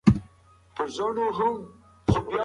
که تاسي کیله له شیدو سره وخورئ نو ډېر به قوي شئ.